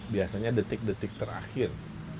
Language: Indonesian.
biasanya detik detik terakhir